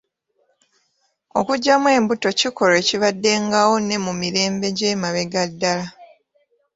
Okuggyamu embuto kikolwa ekibaddengawo ne mu mirembe gy'emabega ddala